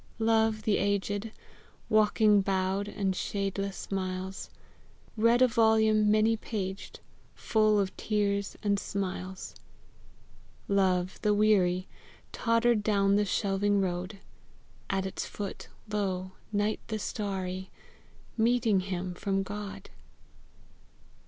Love, the aged, Walking, bowed, the shadeless miles, Bead a volume many paged, Full of tears and smiles. Love, the weary, Tottered down the shelving road: At its foot, lo, night the starry Meeting him from God!